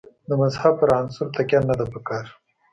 د مذهب پر عنصر تکیه نه ده په کار.